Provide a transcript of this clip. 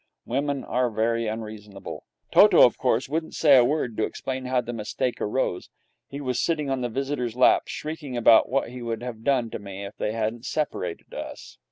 Women are very unreasonable. Toto, of course, wouldn't say a word to explain how the mistake arose. He was sitting on the visitor's lap, shrieking about what he would have done to me if they hadn't separated us.